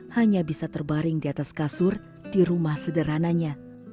hanya bisa terbaring di atas kasur di rumah sederhananya